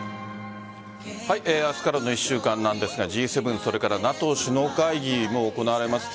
明日からの１週間なんですがＧ７それからＮＡＴＯ首脳会議も行われます。